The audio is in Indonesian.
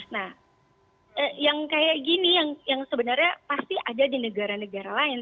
nah yang kayak gini yang sebenarnya pasti ada di negara negara lain